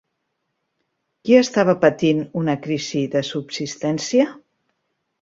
Qui estava patint una crisi de subsistència?